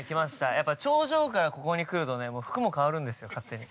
やっぱり頂上からここに来ると、服も変わるんですよ、勝手に。